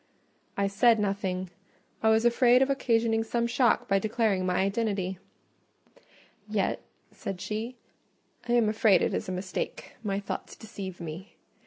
I said nothing: I was afraid of occasioning some shock by declaring my identity. "Yet," said she, "I am afraid it is a mistake: my thoughts deceive me.